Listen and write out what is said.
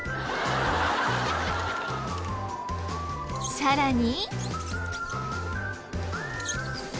さらに。